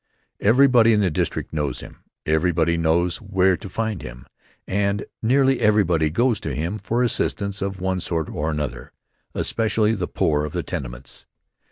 Everybody in the district knows him. Everybody knows where to find him, and nearly everybody goes to him for assistance of one sort or another, especially the poor of the tenements.